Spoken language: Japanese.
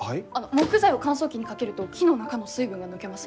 木材を乾燥機にかけると木の中の水分が抜けます。